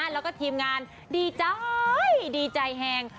แล้วก็ทีมงานดีใจดีใจแห่ง